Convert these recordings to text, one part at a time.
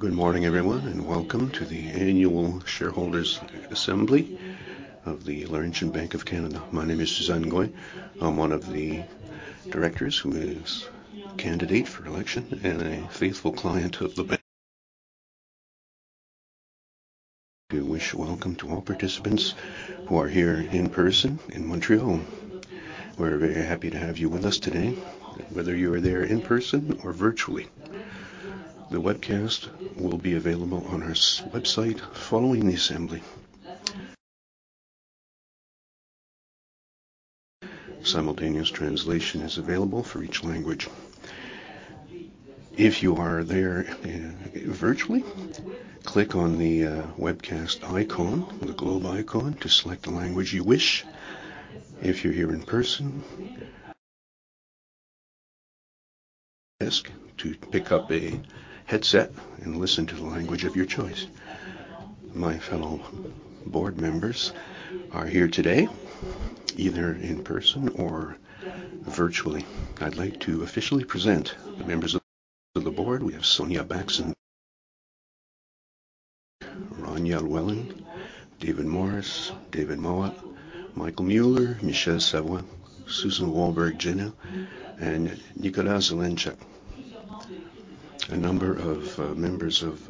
Good morning, everyone, and welcome to the annual shareholders' assembly of the Laurentian Bank of Canada. My name is Suzanne Gouin. I'm one of the directors who is candidate for election and a faithful client of the bank. We welcome all participants who are here in person in Montreal. We're very happy to have you with us today, whether you are there in person or virtually. The webcast will be available on our website following the assembly. Simultaneous translation is available for each language. If you are virtually, click on the webcast icon or the globe icon to select the language you wish. If you're here in person, go to the desk to pick up a headset and listen to the language of your choice. My fellow board members are here today, either in person or virtually. I'd like to officially present the members of the board. We have Sonia Baxendale, Rania Llewellyn, David Morris, David Mowat, Michael Mueller, Michel Savoie, Susan Wolburgh Jenah, and Nicholas Zelenczuk. A number of members of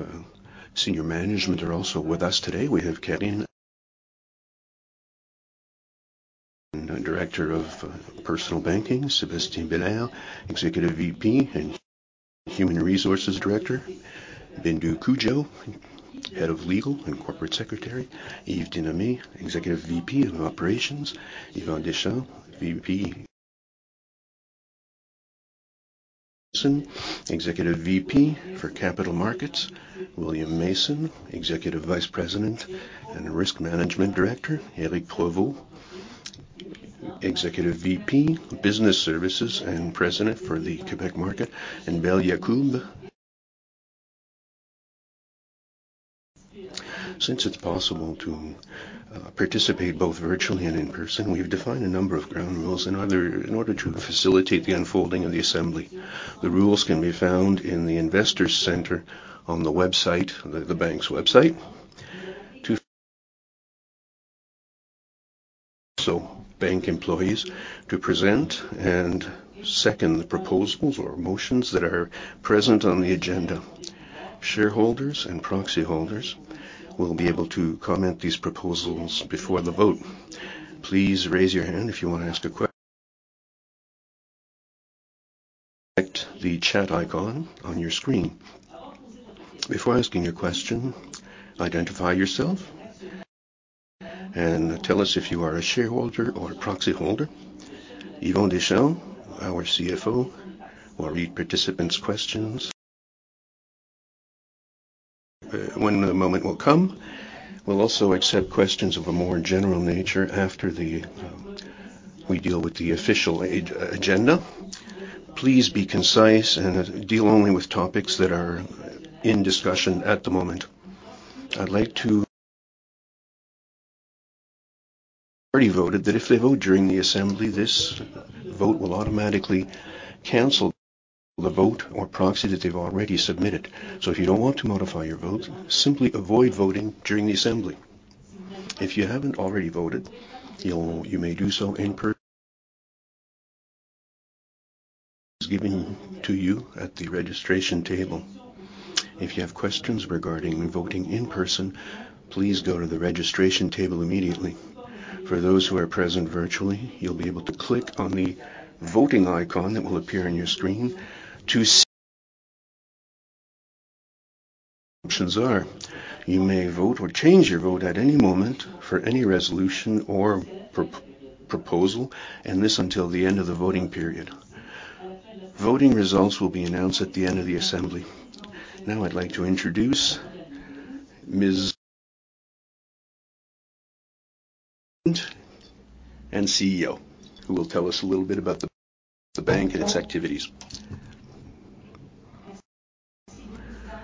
senior management are also with us today. We have Karine, Director of personal banking. Sébastien Bélair, Executive VP and Human Resources Director. Bindu Cudjoe, Head of Legal and Corporate Secretary. Yves Denomme, Executive VP of Operations. Yvan Deschamps, Executive VP for Capital Markets. William Mason, Executive Vice President and Risk Management Director. Éric Provost, Executive VP, Business Services, and President for the Quebec Market. Beel Yaqub. Since it's possible to participate both virtually and in person, we've defined a number of ground rules in order to facilitate the unfolding of the assembly. The rules can be found in the Investors Center on the website, the bank's website. To Bank employees will present and second the proposals or motions that are present on the agenda. Shareholders and proxy holders will be able to comment these proposals before the vote. Please raise your hand if you wanna ask a question. Click the chat icon on your screen. Before asking a question, identify yourself and tell us if you are a shareholder or a proxy holder. Yvan Deschamps, our CFO, will read participants' questions. When the moment will come, we'll also accept questions of a more general nature after we deal with the official agenda. Please be concise and deal only with topics that are in discussion at the moment. Already voted that if they vote during the assembly, this vote will automatically cancel the vote or proxy that they've already submitted. If you don't want to modify your vote, simply avoid voting during the assembly. If you haven't already voted, you may do so in person. It was given to you at the registration table. If you have questions regarding voting in person, please go to the registration table immediately. For those who are present virtually, you'll be able to click on the voting icon that will appear on your screen to see the options. You may vote or change your vote at any moment for any resolution or proposal, and this until the end of the voting period. Voting results will be announced at the end of the assembly. I'd like to introduce Ms. Rania Llewellyn, President and Chief Executive Officer, who will tell us a little bit about the bank and its activities.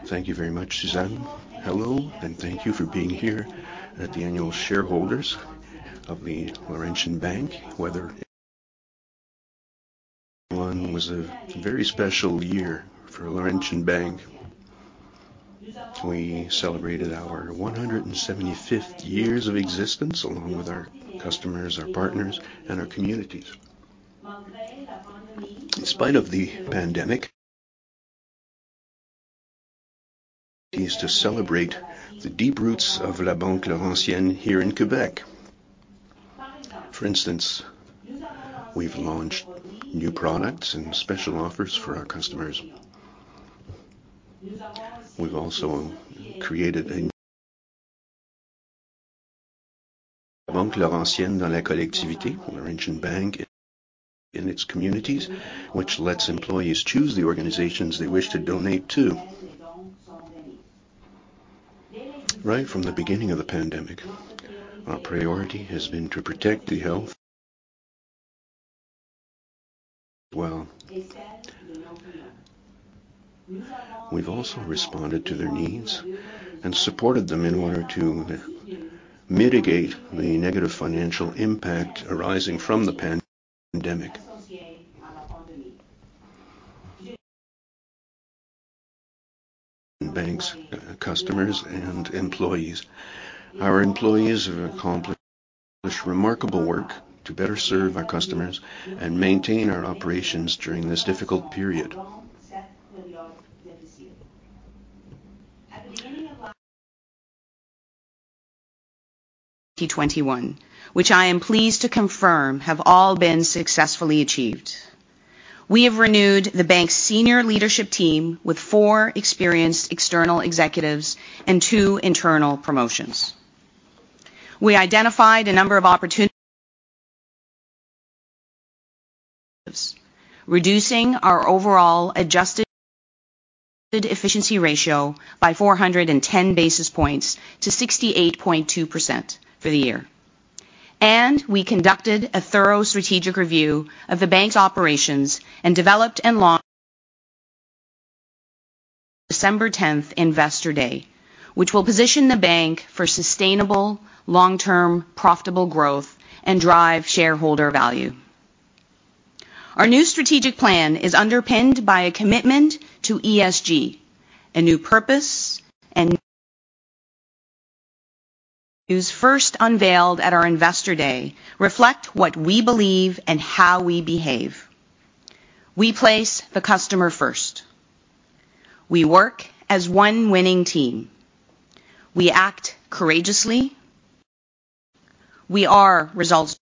Thank you very much, Suzanne. Hello, and thank you for being here at the annual shareholders' meeting of the Laurentian Bank. 2021 was a very special year for Laurentian Bank. We celebrated our 175 years of existence along with our customers, our partners, and our communities. In spite of the pandemic, we managed to celebrate the deep roots of La Banque Laurentienne here in Quebec. For instance, we've launched new products and special offers for our customers. We've also created a La Banque Laurentienne dans la collectivité, Laurentian Bank in its communities, which lets employees choose the organizations they wish to donate to. Right from the beginning of the pandemic, our priority has been to protect the health and well-being. We've also responded to their needs and supported them in order to mitigate the negative financial impact arising from the pandemic on banks, customers, and employees. Our employees have accomplished remarkable work to better serve our customers and maintain our operations during this difficult period. At the beginning of 2021, which I am pleased to confirm have all been successfully achieved. We have renewed the bank's senior leadership team with four experienced external executives and two internal promotions. We identified a number of opportunities, reducing our overall adjusted efficiency ratio by 410 basis points to 68.2% for the year. We conducted a thorough strategic review of the bank's operations and developed and launched December 10 Investor Day, which will position the bank for sustainable long-term profitable growth and drive shareholder value. Our new strategic plan is underpinned by a commitment to ESG, a new purpose was first unveiled at our Investor Day reflect what we believe and how we behave. We place the customer first. We work as one winning team. We act courageously. We own our results.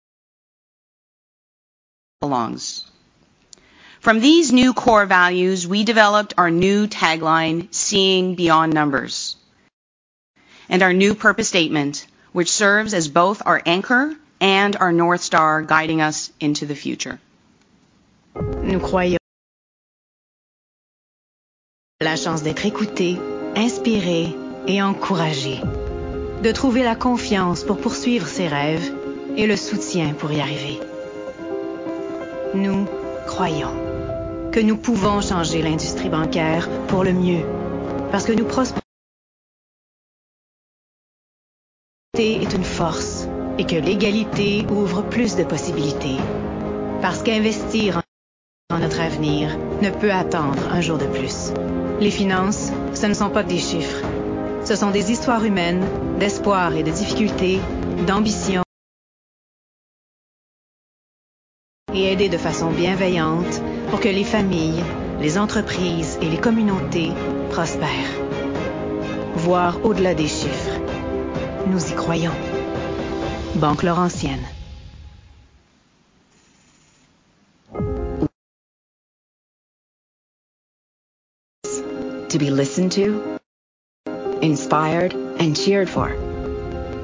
From these new core values, we developed our new tagline, "Seeing beyond numbers," and our new purpose statement, which serves as both our anchor and our North Star guiding us into the future. To be listened to, inspired, and cheered for.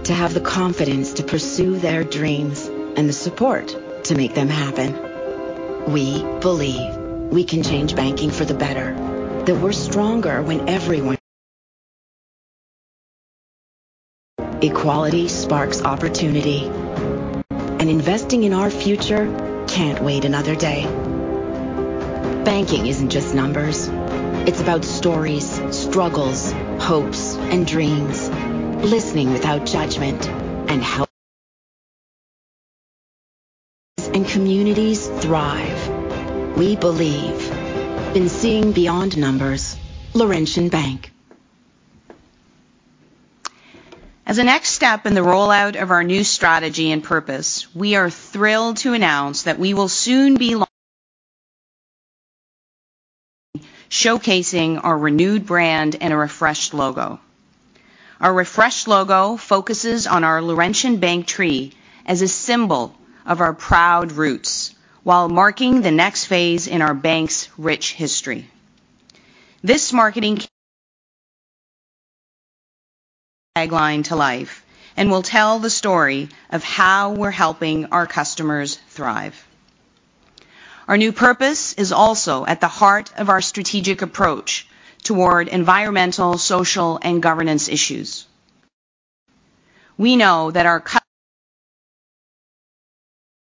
To have the confidence to pursue their dreams and the support to make them happen. We believe we can change banking for the better. Equality sparks opportunity, and investing in our future can't wait another day. Banking isn't just numbers. It's about stories, struggles, hopes, and dreams. Listening without judgment and communities thrive. We believe in seeing beyond numbers. Laurentian Bank. As a next step in the rollout of our new strategy and purpose, we are thrilled to announce that we will soon be showcasing our renewed brand and a refreshed logo. Our refreshed logo focuses on our Laurentian Bank tree as a symbol of our proud roots while marking the next phase in our bank's rich history. This marketing campaign brings our tagline to life and will tell the story of how we're helping our customers thrive. Our new purpose is also at the heart of our strategic approach toward environmental, social, and governance issues. We know that our customers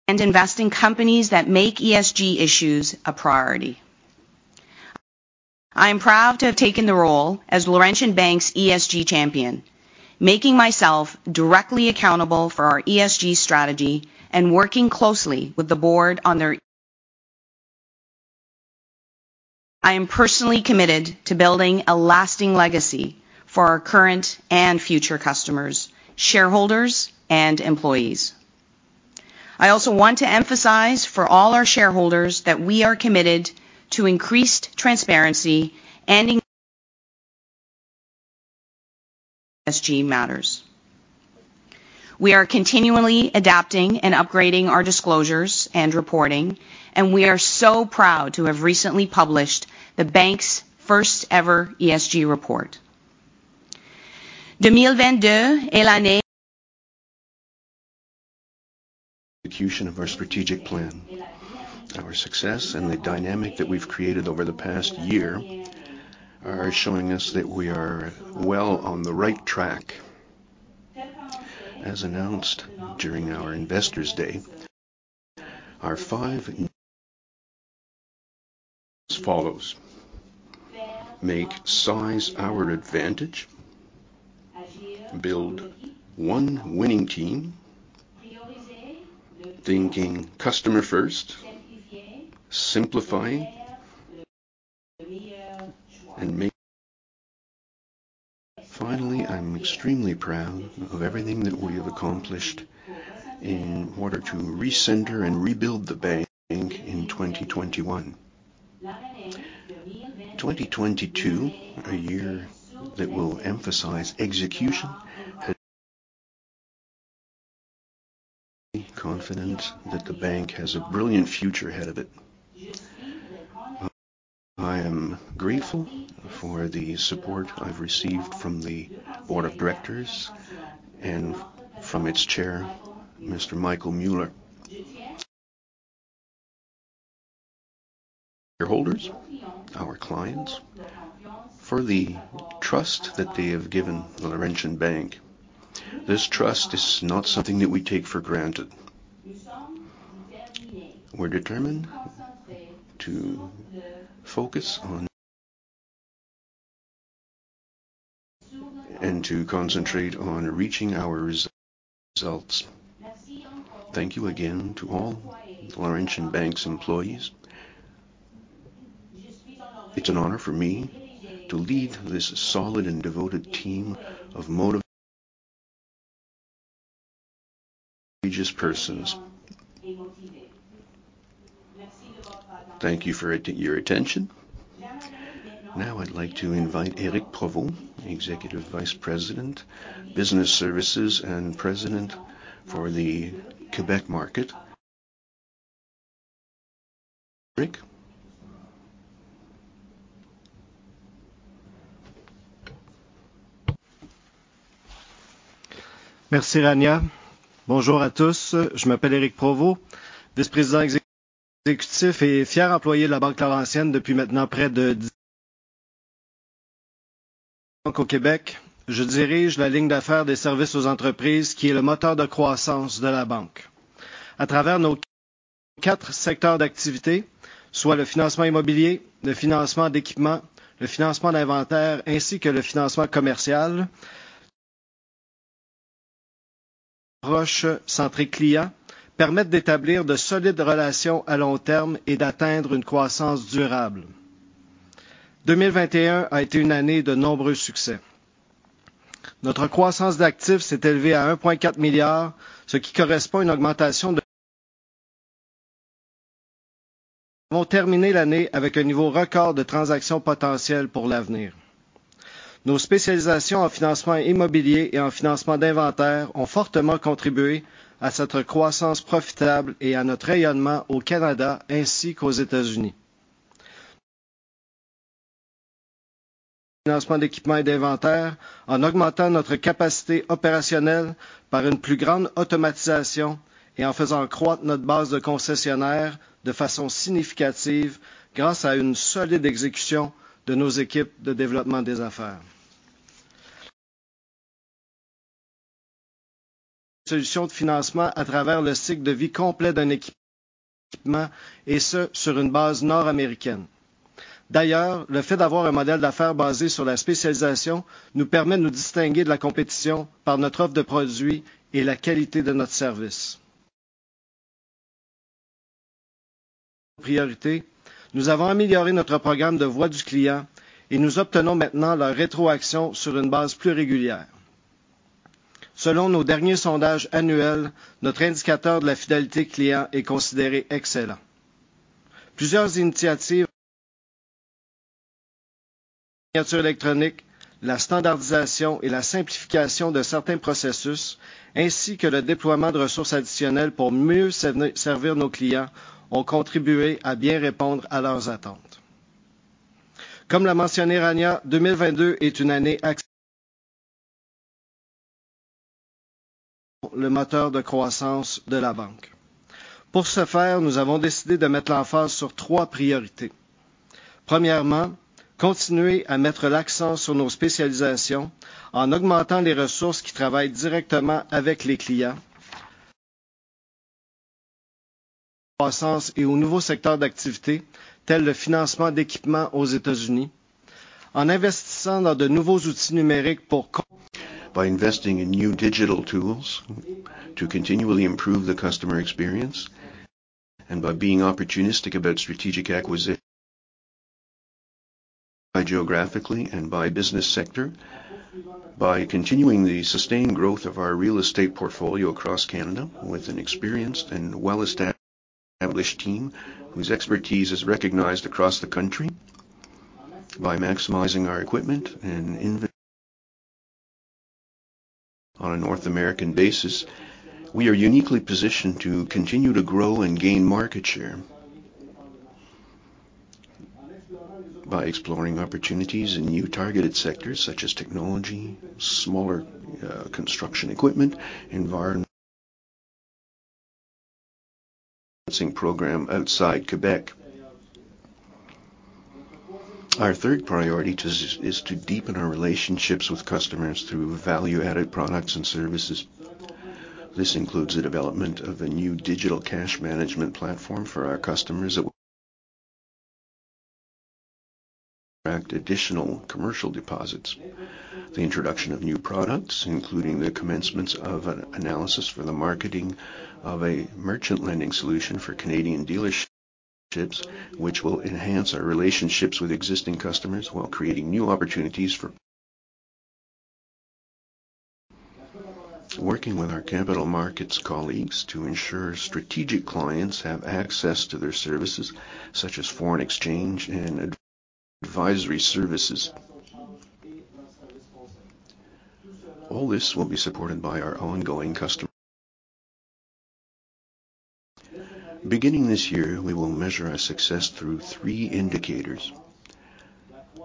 care and invest in companies that make ESG issues a priority. I am proud to have taken the role as Laurentian Bank's ESG champion, making myself directly accountable for our ESG strategy and working closely with the board. I am personally committed to building a lasting legacy for our current and future customers, shareholders, and employees. I also want to emphasize for all our shareholders that we are committed to increased transparency and ESG matters. We are continually adapting and upgrading our disclosures and reporting, and we are so proud to have recently published the bank's first ever ESG report. Execution of our strategic plan. Our success and the dynamic that we've created over the past year are showing us that we are well on the right track. As announced during our Investors Day, our five as follows: Make our size our advantage. Build one winning team, thinking customer first, simplifying, and making. Finally, I'm extremely proud of everything that we have accomplished in order to recenter and rebuild the bank in 2021. 2022, a year that will emphasize execution. I am confident that the bank has a brilliant future ahead of it. I am grateful for the support I've received from the board of directors and from its chair, Mr. Michael Mueller, shareholders, our clients, for the trust that they have given the Laurentian Bank. This trust is not something that we take for granted. We're determined to focus on and to concentrate on reaching our results. Thank you again to all Laurentian Bank's employees. It's an honor for me to lead this solid and devoted team of motivated, courageous persons. Thank you for your attention. Now, I'd like to invite Éric Provost, Executive Vice President, Business Services, and President for the Québec market. Eric. Merci Rania. Bonjour à tous. Je m'appelle Éric Provost, vice-président exécutif et fier employé de La Banque Laurentienne depuis maintenant près de 17 ans. Au Québec, je dirige la ligne d'affaires des services aux entreprises, qui est le moteur de croissance de la banque. À travers nos quatre secteurs d'activité, soit le financement immobilier, le financement d'équipement, le financement d'inventaire ainsi que le financement commercial, nos approches centrées clients permettent d'établir de solides relations à long terme et d'atteindre une croissance durable. 2021 a été une année de nombreux succès. Notre croissance d'actifs s'est élevée à CAD billion.] By investing in new digital tools to continually improve the customer experience, and by being opportunistic about strategic acquisitions by geography and by business sector, by continuing the sustained growth of our real estate portfolio across Canada with an experienced and well-established team whose expertise is recognized across the country, by maximizing our equipment and inventory on a North American basis, we are uniquely positioned to continue to grow and gain market share. By exploring opportunities in new targeted sectors such as technology, smaller construction equipment, environmental programs outside Québec. Our third priority is to deepen our relationships with customers through value-added products and services. This includes the development of a new digital cash management platform for our customers that will Attract additional commercial deposits. The introduction of new products, including the commencement of an analysis for the marketing of a merchant lending solution for Canadian dealerships, which will enhance our relationships with existing customers while creating new opportunities for. Working with our capital markets colleagues to ensure strategic clients have access to their services, such as foreign exchange and advisory services. All this will be supported by our ongoing customer. Beginning this year, we will measure our success through three indicators.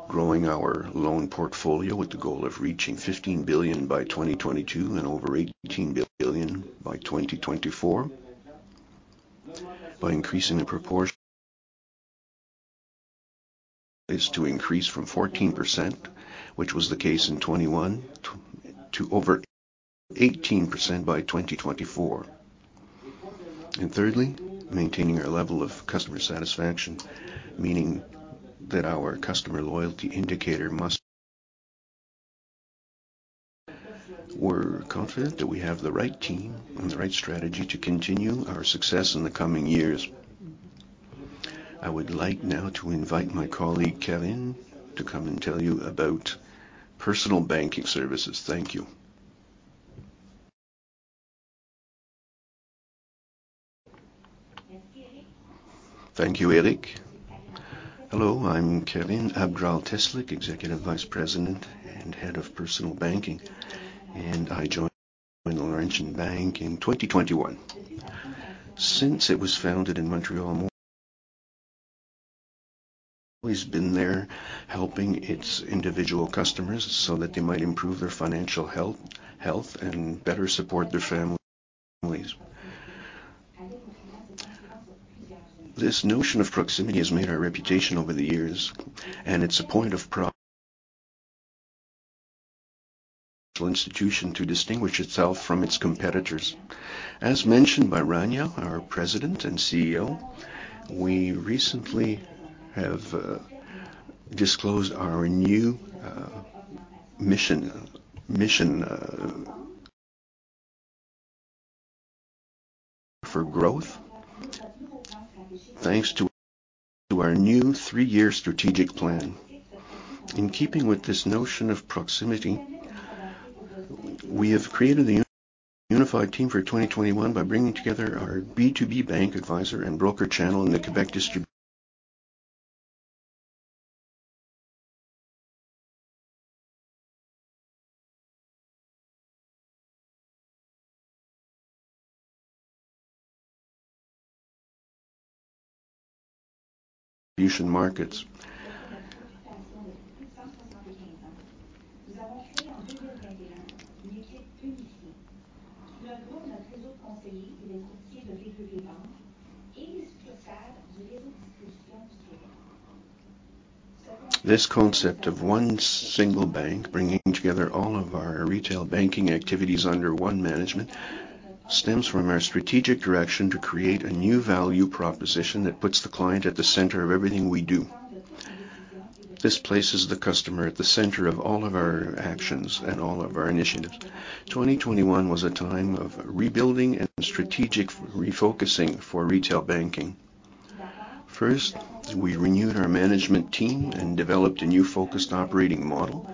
Growing our loan portfolio with the goal of reaching 15 billion by 2022 and over 18 billion by 2024. By increasing the proportion is to increase from 14%, which was the case in 2021, to over 18% by 2024. Thirdly, maintaining our level of customer satisfaction, meaning that our customer loyalty indicator must. We're confident that we have the right team and the right strategy to continue our success in the coming years. I would like now to invite my colleague, Kevin, to come and tell you about personal banking services. Thank you. Thank you, Eric. Hello, I'm Karine Abgrall-Teslyk, Executive Vice President and Head of Personal Banking, and I joined Laurentian Bank in 2021. Since it was founded in Montreal, it has always been there helping its individual customers so that they might improve their financial health and better support their families. This notion of proximity has made our reputation over the years, and it's a point of pride for the institution to distinguish itself from its competitors. As mentioned by Rania, our President and CEO, we recently have disclosed our new mission for growth thanks to our new three-year strategic plan. In keeping with this notion of proximity, we have created the unified team for 2021 by bringing together our B2B Bank advisor and broker channel in the Quebec distribution markets. This concept of one single bank bringing together all of our retail banking activities under one management stems from our strategic direction to create a new value proposition that puts the client at the center of everything we do. This places the customer at the center of all of our actions and all of our initiatives. 2021 was a time of rebuilding and strategic refocusing for retail banking. First, we renewed our management team and developed a new focused operating model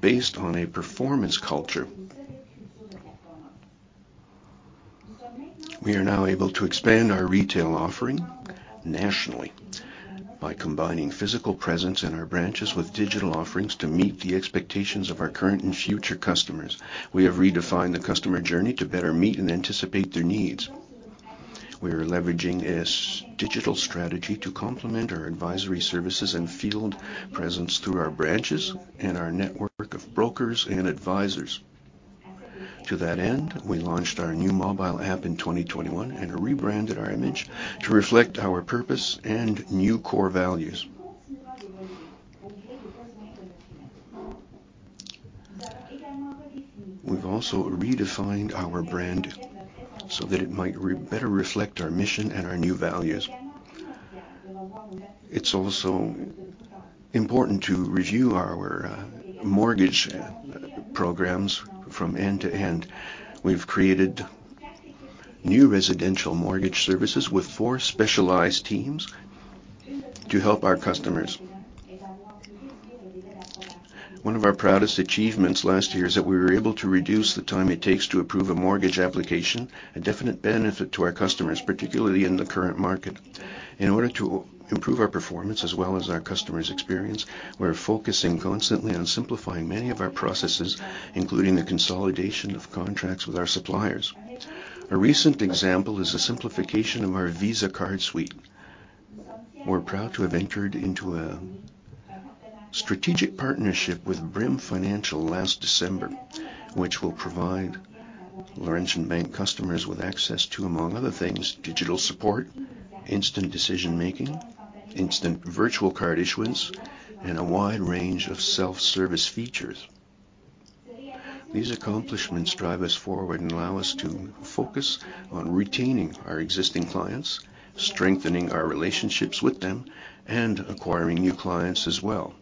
based on a performance culture. We are now able to expand our retail offering nationally by combining physical presence in our branches with digital offerings to meet the expectations of our current and future customers. We have redefined the customer journey to better meet and anticipate their needs. We are leveraging this digital strategy to complement our advisory services and field presence through our branches and our network of brokers and advisors. To that end, we launched our new mobile app in 2021 and rebranded our image to reflect our purpose and new core values. We've also redefined our brand so that it might better reflect our mission and our new values. It's also important to review our mortgage programs from end to end. We've created new residential mortgage services with four specialized teams to help our customers. One of our proudest achievements last year is that we were able to reduce the time it takes to approve a mortgage application, a definite benefit to our customers, particularly in the current market. In order to improve our performance as well as our customers' experience, we're focusing constantly on simplifying many of our processes, including the consolidation of contracts with our suppliers. A recent example is the simplification of our Visa card suite. We're proud to have entered into a strategic partnership with Brim Financial last December, which will provide Laurentian Bank customers with access to, among other things, digital support, instant decision-making, instant virtual card issuance, and a wide range of self-service features. These accomplishments drive us forward and allow us to focus on retaining our existing clients, strengthening our relationships with them, and acquiring new clients as well.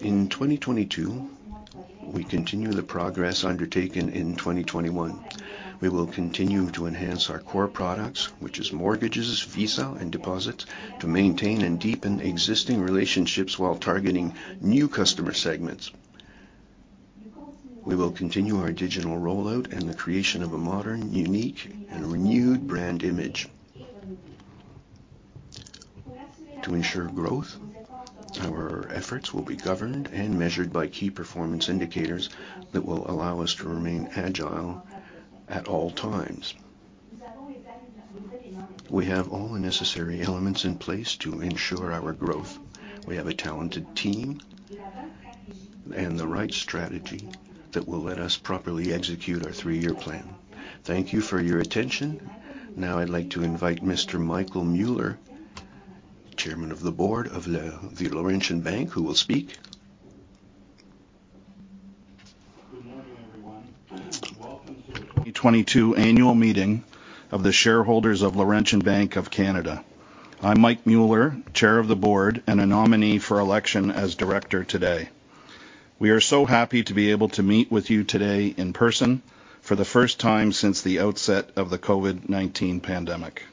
In 2022, we continue the progress undertaken in 2021. We will continue to enhance our core products, which is mortgages, Visa, and deposits to maintain and deepen existing relationships while targeting new customer segments. We will continue our digital rollout and the creation of a modern, unique, and renewed brand image. To ensure growth, our efforts will be governed and measured by key performance indicators that will allow us to remain agile at all times. We have all the necessary elements in place to ensure our growth. We have a talented team and the right strategy that will let us properly execute our three-year plan. Thank you for your attention. Now I'd like to invite Mr. Michael Mueller, Chairman of the Board of the Laurentian Bank, who will speak. Good morning, everyone. Welcome to the 2022 annual meeting of the shareholders of Laurentian Bank of Canada. I'm Mike Mueller, Chair of the Board and a nominee for election as director today. We are so happy to be able to meet with you today in person for the first time since the outset of the COVID-19 pandemic.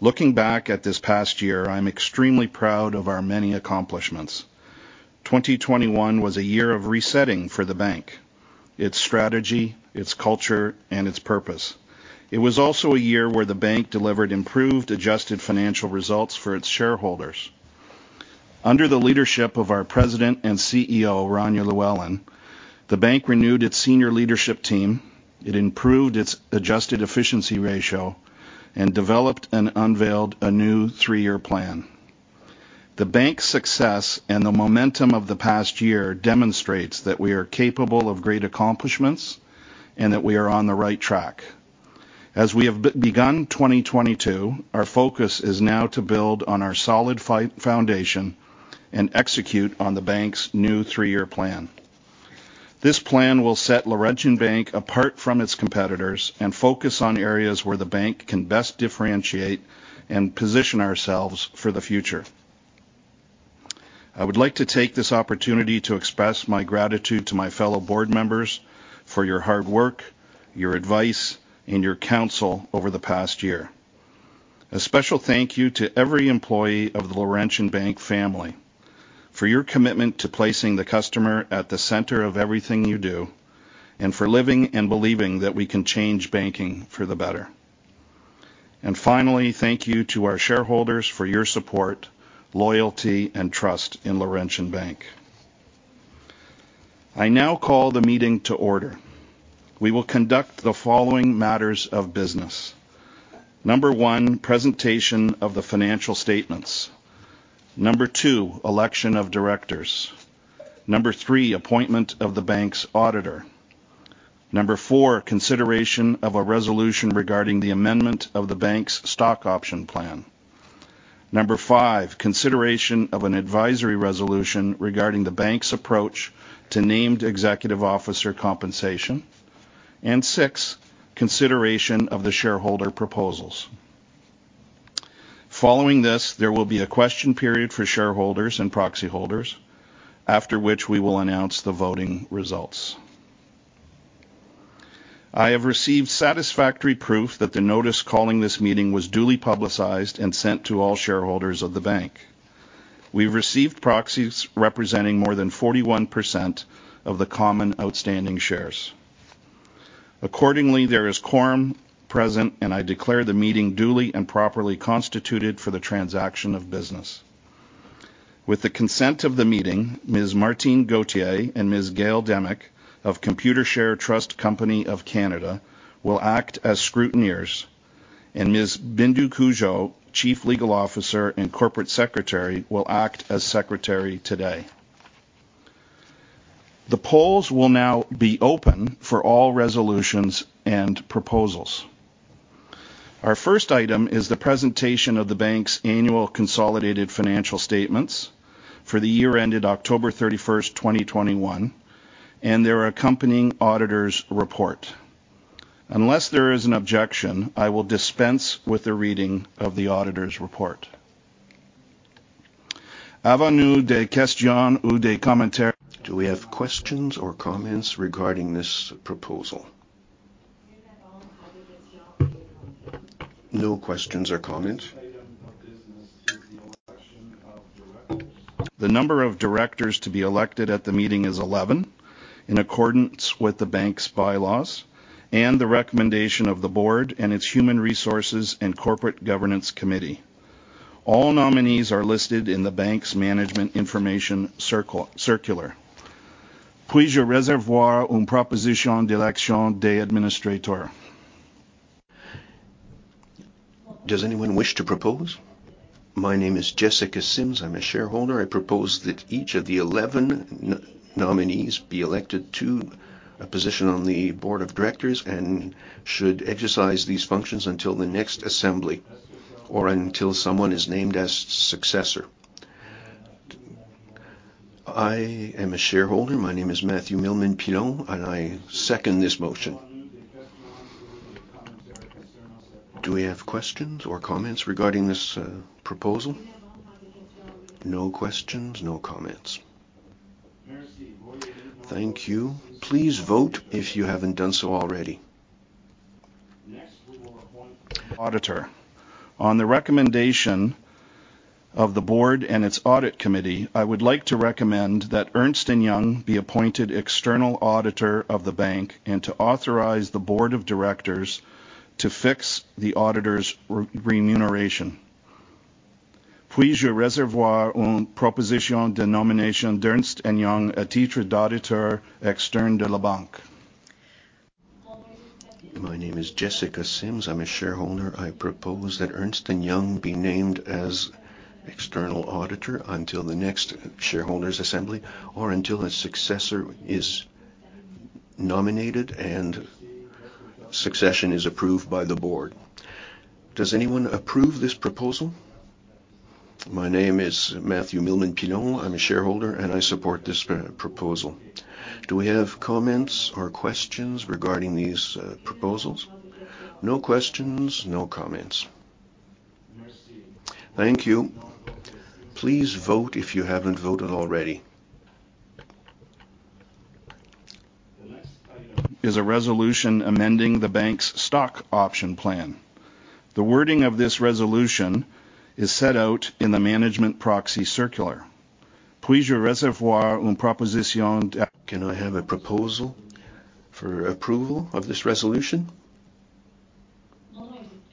Looking back at this past year, I'm extremely proud of our many accomplishments. 2021 was a year of resetting for the bank, its strategy, its culture, and its purpose. It was also a year where the bank delivered improved adjusted financial results for its shareholders. Under the leadership of our President and CEO, Rania Llewellyn, the bank renewed its senior leadership team, it improved its adjusted efficiency ratio, and developed and unveiled a new 3-year plan. The bank's success and the momentum of the past year demonstrates that we are capable of great accomplishments and that we are on the right track. As we have begun 2022, our focus is now to build on our solid foundation and execute on the bank's new three-year plan. This plan will set Laurentian Bank apart from its competitors and focus on areas where the bank can best differentiate and position ourselves for the future. I would like to take this opportunity to express my gratitude to my fellow board members for your hard work, your advice, and your counsel over the past year. A special thank you to every employee of the Laurentian Bank family for your commitment to placing the customer at the center of everything you do, and for living and believing that we can change banking for the better. Finally, thank you to our shareholders for your support, loyalty, and trust in Laurentian Bank. I now call the meeting to order. We will conduct the following matters of business. Number one, presentation of the financial statements. Number two, election of directors. Number three, appointment of the bank's auditor. Number four, consideration of a resolution regarding the amendment of the bank's stock option plan. Number five, consideration of an advisory resolution regarding the bank's approach to named executive officer compensation. six, consideration of the shareholder proposals. Following this, there will be a question period for shareholders and proxy holders, after which we will announce the voting results. I have received satisfactory proof that the notice calling this meeting was duly publicized and sent to all shareholders of the bank. We received proxies representing more than 41% of the common outstanding shares. Accordingly, there is quorum present, and I declare the meeting duly and properly constituted for the transaction of business. With the consent of the meeting, Ms. Martine Gauthier and Ms. Gail DeMick of Computershare Trust Company of Canada will act as scrutineers, and Ms. Bindu Cudjoe, Chief Legal Officer and Corporate Secretary, will act as secretary today. The polls will now be open for all resolutions and proposals. Our first item is the presentation of the bank's annual consolidated financial statements for the year ended October 31, 2021, and their accompanying auditor's report. Unless there is an objection, I will dispense with the reading of the auditor's report. Do we have questions or comments regarding this proposal? No questions or comments. Next item of business is the election of directors. The number of directors to be elected at the meeting is 11, in accordance with the bank's bylaws and the recommendation of the board and its Human Resources and Corporate Governance Committee. All nominees are listed in the bank's management information circular. Does anyone wish to propose? My name is Jessica Sims. I'm a shareholder. I propose that each of the 11 nominees be elected to a position on the board of directors and should exercise these functions until the next assembly. Or until someone is named as successor. I am a shareholder. My name is Matthew Millman-Pilon, and I second this motion. Do we have questions or comments regarding this proposal? No questions, no comments. Thank you. Please vote if you haven't done so already. Next, we will appoint auditor. On the recommendation of the board and its audit committee, I would like to recommend that Ernst & Young be appointed external auditor of the bank and to authorize the board of directors to fix the auditor's remuneration. My name is Jessica Sims. I'm a shareholder. I propose that Ernst & Young be named as external auditor until the next shareholders' assembly or until a successor is nominated and succession is approved by the board. Does anyone approve this proposal? My name is Matthew Millman-Pilon. I'm a shareholder, and I support this proposal. Do we have comments or questions regarding these proposals? No questions, no comments. Thank you. Please vote if you haven't voted already. The next item is a resolution amending the bank's stock option plan. The wording of this resolution is set out in the management proxy circular. Can I have a proposal for approval of this resolution?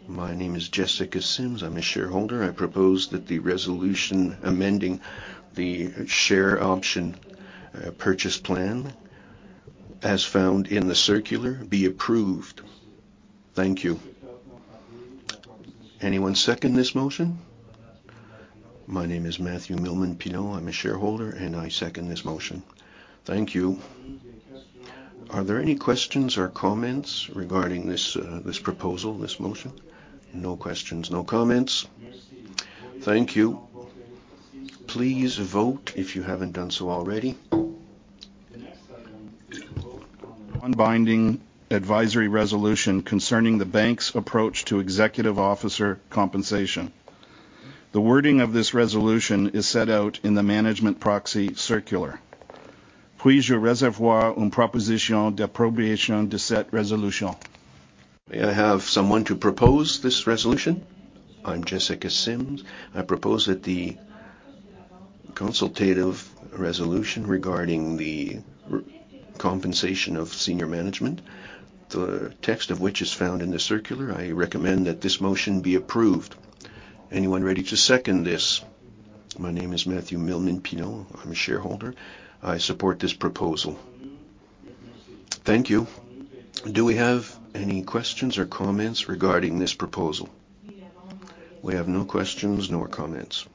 My name is Jessica Sims. I'm a shareholder. I propose that the resolution amending the share option purchase plan, as found in the circular, be approved. Thank you. Anyone second this motion? My name is Matthew Millman-Pilon. I'm a shareholder, and I second this motion. Thank you. Are there any questions or comments regarding this proposal, this motion? No questions, no comments. Thank you. Please vote if you haven't done so already. The next item is to vote on non-binding advisory resolution concerning the bank's approach to executive officer compensation. The wording of this resolution is set out in the management proxy circular. May I have someone to propose this resolution? I'm Jessica Sims. I propose that the consultative resolution regarding the compensation of senior management, the text of which is found in the circular. I recommend that this motion be approved. Anyone ready to second this? My name is Matthew Millman-Pilon. I'm a shareholder. I support this proposal. Thank you. Do we have any questions or comments regarding this proposal? We have no questions nor comments.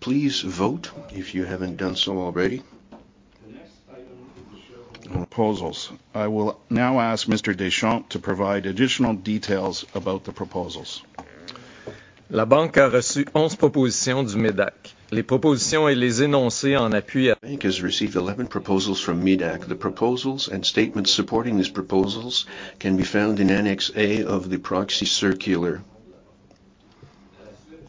Please vote if you haven't done so already. The next item. Proposals. I will now ask Mr. Deschamps to provide additional details about the proposals. Bank has received 11 proposals from MÉDAC. The proposals and statements supporting these proposals can be found in Annex A of the proxy circular.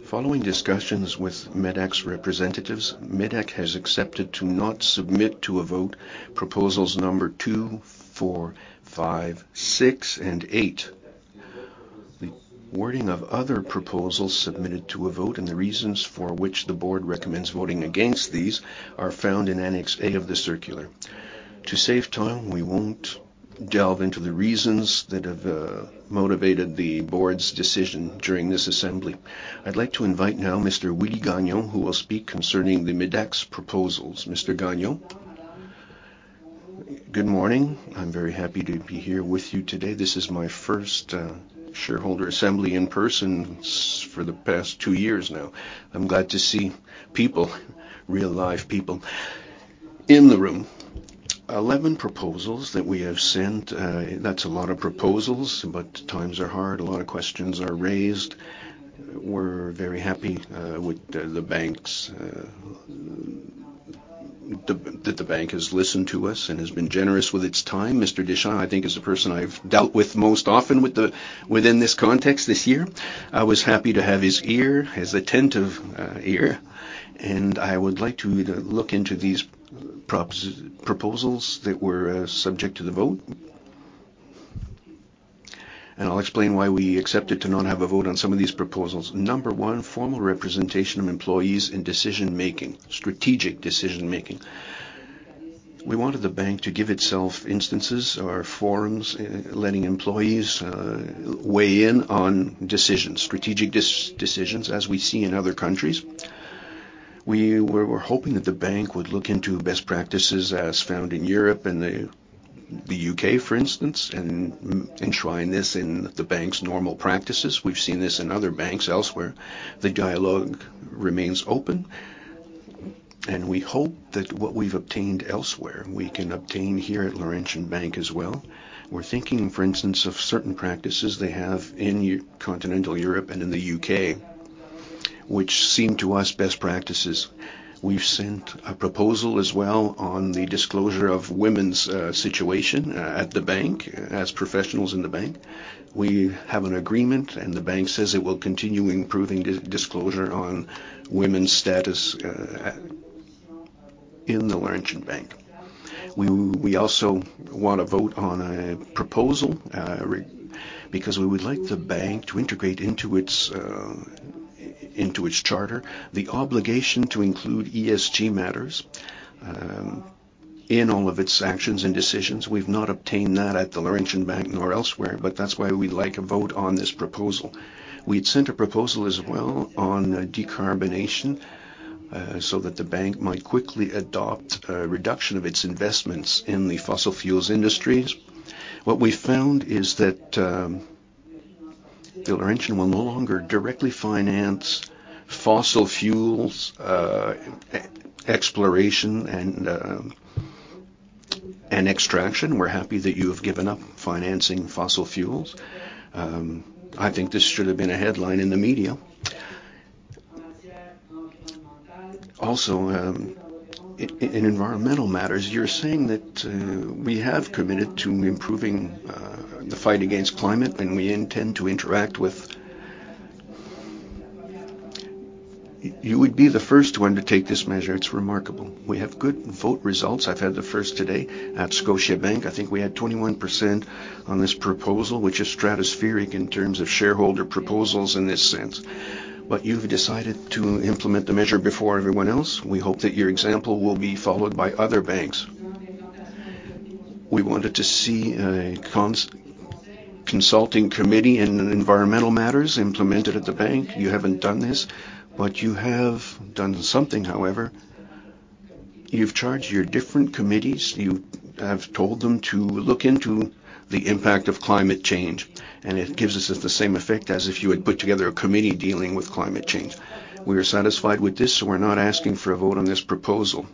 Following discussions with MÉDAC's representatives, MÉDAC has accepted to not submit to a vote proposals number 2, 4, 5, 6, and 8. The wording of other proposals submitted to a vote and the reasons for which the board recommends voting against these are found in Annex A of the circular. To save time, we won't delve into the reasons that have motivated the board's decision during this assembly. I'd like to invite now Mr. Willie Gagnon who will speak concerning the MÉDAC's proposals. Mr. Gagnon. Good morning. I'm very happy to be here with you today. This is my first shareholder assembly in person for the past two years now. I'm glad to see people, real live people in the room. 11 proposals that we have sent, that's a lot of proposals, but times are hard. A lot of questions are raised. We're very happy with the bank that the bank has listened to us and has been generous with its time. Mr. Deschamps, I think, is the person I've dealt with most often within this context this year. I was happy to have his ear, his attentive ear, and I would like to look into these proposals that were subject to the vote. I'll explain why we accepted to not have a vote on some of these proposals. Number one, formal representation of employees in decision-making, strategic decision-making. We wanted the bank to give itself instances or forums, letting employees weigh in on decisions, strategic decisions as we see in other countries. We were hoping that the bank would look into best practices as found in Europe and the U.K., for instance, and enshrine this in the bank's normal practices. We've seen this in other banks elsewhere. The dialogue remains open. We hope that what we've obtained elsewhere, we can obtain here at Laurentian Bank as well. We're thinking, for instance, of certain practices they have in continental Europe and in the U.K., which seem to us best practices. We've sent a proposal as well on the disclosure of women's situation at the bank as professionals in the bank. We have an agreement, and the bank says it will continue improving disclosure on women's status in the Laurentian Bank. We also want to vote on a proposal because we would like the bank to integrate into its charter the obligation to include ESG matters in all of its actions and decisions. We've not obtained that at the Laurentian Bank nor elsewhere, but that's why we'd like a vote on this proposal. We'd sent a proposal as well on decarbonization so that the bank might quickly adopt a reduction of its investments in the fossil fuels industries. What we found is that the Laurentian will no longer directly finance fossil fuels exploration and extraction. We're happy that you have given up financing fossil fuels. I think this should have been a headline in the media. In environmental matters, you're saying that we have committed to improving the fight against climate, and we intend to interact with. You would be the first one to take this measure. It's remarkable. We have good vote results. I've had the first today at Scotiabank. I think we had 21% on this proposal, which is stratospheric in terms of shareholder proposals in this sense. You've decided to implement the measure before everyone else. We hope that your example will be followed by other banks. We wanted to see a consulting committee in environmental matters implemented at the bank. You haven't done this, but you have done something, however. You've charged your different committees. You have told them to look into the impact of climate change, and it gives us the same effect as if you had put together a committee dealing with climate change. We are satisfied with this, so we're not asking for a vote on this proposal.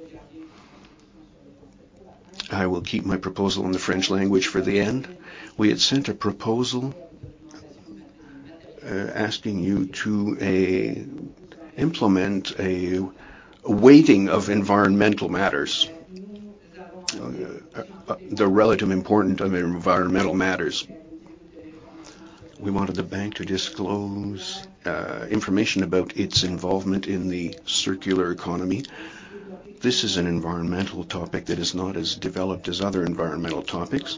I will keep my proposal in the French language for the end. We had sent a proposal asking you to implement a weighting of environmental matters, the relative importance of environmental matters. We wanted the bank to disclose information about its involvement in the circular economy. This is an environmental topic that is not as developed as other environmental topics.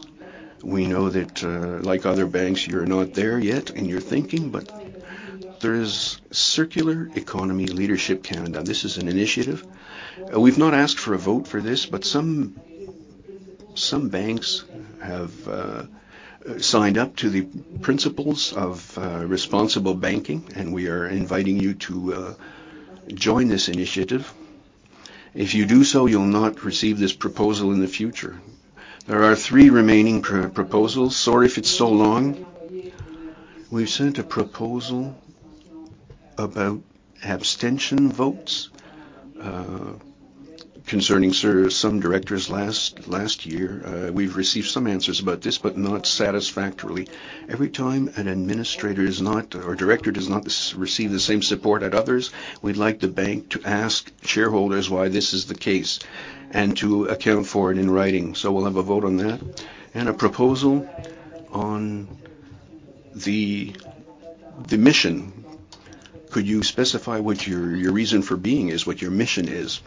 We know that, like other banks, you're not there yet in your thinking, but there is Circular Economy Leadership Canada. This is an initiative. We've not asked for a vote for this, but some banks have signed up to the principles of responsible banking, and we are inviting you to join this initiative. If you do so, you'll not receive this proposal in the future. There are three remaining proposals. Sorry if it's so long. We've sent a proposal about abstention votes concerning some directors last year. We've received some answers about this, but not satisfactorily. Every time a director does not receive the same support as others, we'd like the bank to ask shareholders why this is the case and to account for it in writing. We'll have a vote on that. A proposal on the mission. Could you specify what your reason for being is, what your mission is?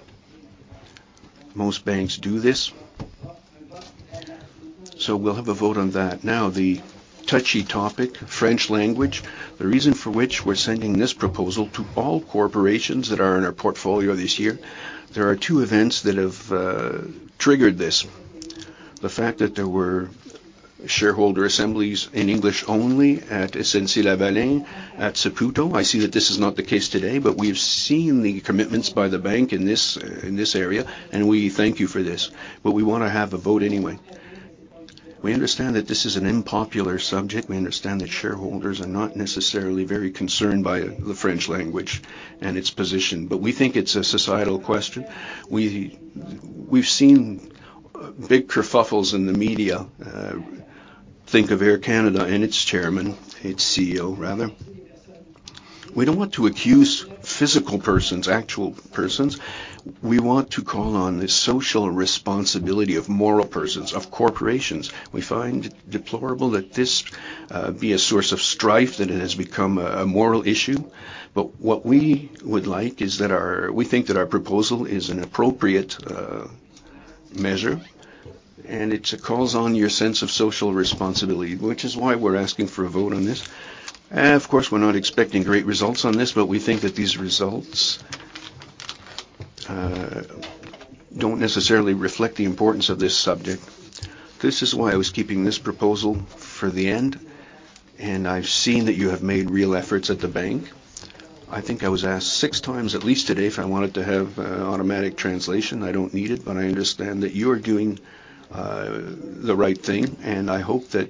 Most banks do this. We'll have a vote on that. Now, the touchy topic, French language. The reason for which we're sending this proposal to all corporations that are in our portfolio this year, there are two events that have triggered this. The fact that there were shareholder assemblies in English only at Essentielle Vallée, at Saputo. I see that this is not the case today, but we've seen the commitments by the bank in this area, and we thank you for this, but we wanna have a vote anyway. We understand that this is an unpopular subject. We understand that shareholders are not necessarily very concerned by the French language and its position, but we think it's a societal question. We've seen big kerfuffles in the media. Think of Air Canada and its chairman, its CEO rather. We don't want to accuse physical persons, actual persons. We want to call on the social responsibility of moral persons, of corporations. We find it deplorable that this be a source of strife, that it has become a moral issue. What we would like is that we think that our proposal is an appropriate measure, and it calls on your sense of social responsibility, which is why we're asking for a vote on this. Of course, we're not expecting great results on this, but we think that these results don't necessarily reflect the importance of this subject. This is why I was keeping this proposal for the end, and I've seen that you have made real efforts at the bank. I think I was asked six times at least today if I wanted to have automatic translation. I don't need it, but I understand that you're doing the right thing, and I hope that.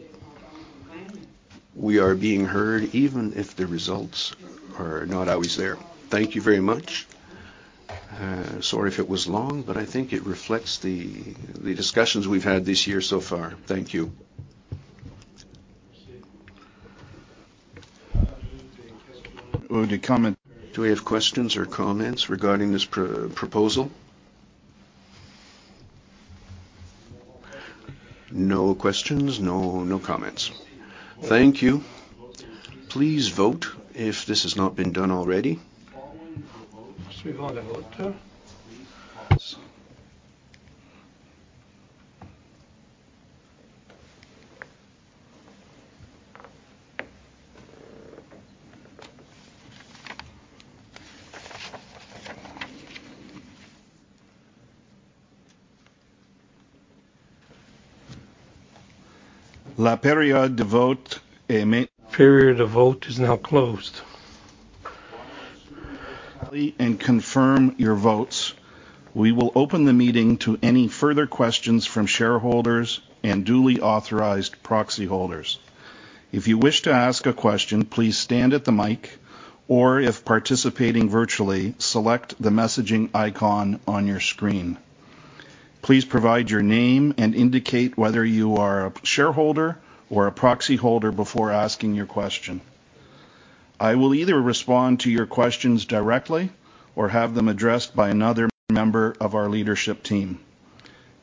We are being heard even if the results are not always there. Thank you very much. Sorry if it was long, but I think it reflects the discussions we've had this year so far. Thank you. Do we have questions or comments regarding this proposal? No questions? No comments. Thank you. Please vote if this has not been done already. The vote is now closed. Confirm your votes. We will open the meeting to any further questions from shareholders and duly authorized proxy holders. If you wish to ask a question, please stand at the mic, or if participating virtually, select the messaging icon on your screen. Please provide your name and indicate whether you are a shareholder or a proxy holder before asking your question. I will either respond to your questions directly or have them addressed by another member of our leadership team.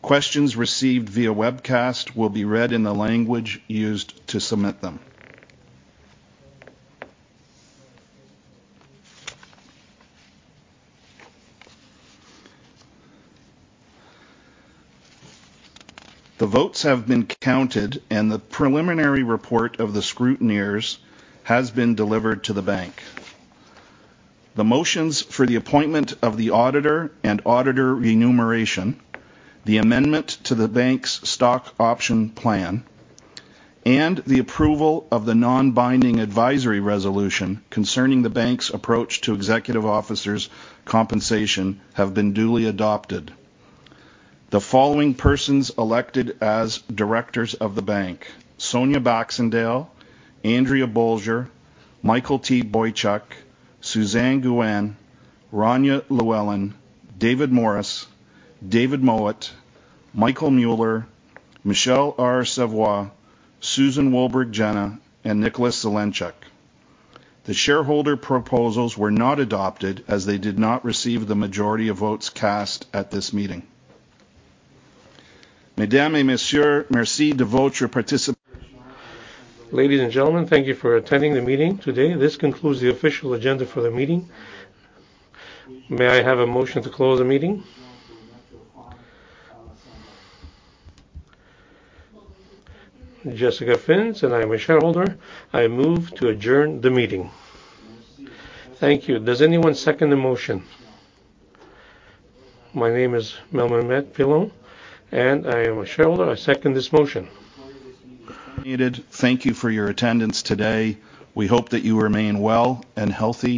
Questions received via webcast will be read in the language used to submit them. The votes have been counted, and the preliminary report of the scrutineers has been delivered to the bank. The motions for the appointment of the auditor and auditor remuneration, the amendment to the bank's stock option plan, and the approval of the non-binding advisory resolution concerning the bank's approach to executive officers' compensation have been duly adopted. The following persons have been elected as directors of the bank: Sonia Baxendale, Andrea Bolger, Michael T. Boychuk, Suzanne Gouin, Rania Llewellyn, David Morris, David Mowat, Michael Mueller, Michelle R. Savoy, Susan Wolburgh Jenah, and Nicholas Zelenczuk. The shareholder proposals were not adopted as they did not receive the majority of votes cast at this meeting. Ladies and gentlemen, thank you for attending the meeting today. This concludes the official agenda for the meeting. May I have a motion to close the meeting? Jessica Sims, and I am a shareholder. I move to adjourn the meeting. Thank you. Does anyone second the motion? My name is Matthew Millman-Pilon, and I am a shareholder. I second this motion. Thank you for your attendance today. We hope that you remain well and healthy.